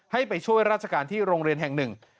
ให้ไปช่วยราชการที่โรงเรียนแห่งหนึ่ง